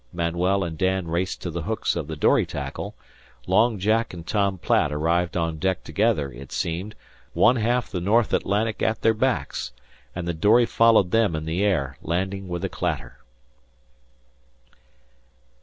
Manuel and Dan raced to the hooks of the dory tackle; Long Jack and Tom Platt arrived on deck together, it seemed, one half the North Atlantic at their backs, and the dory followed them in the air, landing with a clatter.